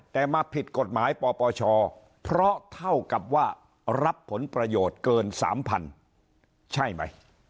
แต่มาผิดกฎหมายปปชเพราะเท่ากับว่ารับผลประโยชน์เกิน๓๐๐ใช่ไหม